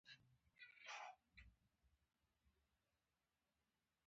دا دوکاندار د نرخونو لیست نوي کړ.